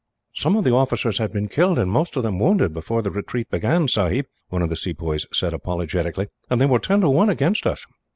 "Some of the officers had been killed, and most of them wounded, before the retreat began, sahib," one of the sepoys said apologetically, "and they were ten to one against us."